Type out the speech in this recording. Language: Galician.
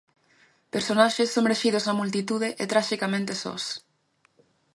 Personaxes somerxidos na multitude, e traxicamente sós.